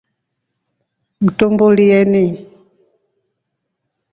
Mtuumbulyeni.